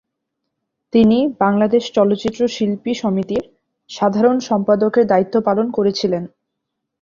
তিনি বাংলাদেশ চলচ্চিত্র শিল্পী সমিতির সাধারণ সম্পাদকের দায়িত্ব পালন করেছিলেন।